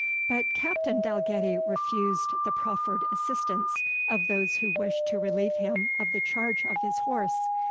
But Captain Dalgetty refused the proffered assistance of those who wished to relieve him of the charge of his horse.